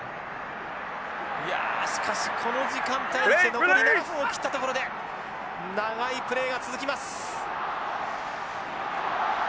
しかしこの時間帯に来て残り７分を切ったところで長いプレーが続きます。